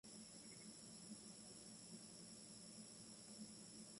Al inicio del movimiento, mujeres y hombres me decían que estaba equivocada.